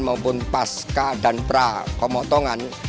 maupun pasca dan pra pemotongan